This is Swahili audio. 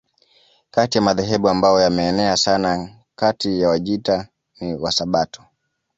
Kati ya madhehebu ambayo yameenea sana kati ya Wajita ni Wasabato